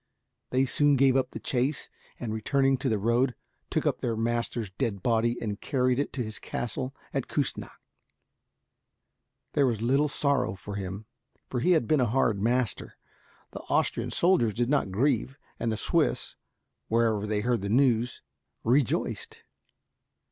They soon gave up the chase, and, returning to the road, took up their master's dead body and carried it to his castle at Küssnacht There was little sorrow for him, for he had been a hard master. The Austrian soldiers did not grieve, and the Swiss, wherever they heard the news, rejoiced.